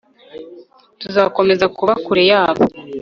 tuzakomeza kuba kure yabo